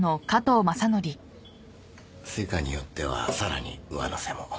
成果によってはさらに上乗せも。